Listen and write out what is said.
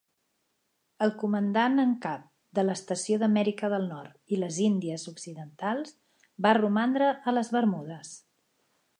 El comandant en cap de l'estació d'Amèrica del Nord i les Índies Occidentals va romandre a les Bermudes.